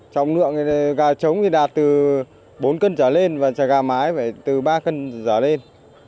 trọng lượng thì gà trống thì đạt từ bốn cân trở lên và gà mái từ ba cân trở lên